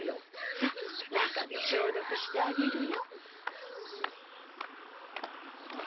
さっ中で消毒してあげるよ。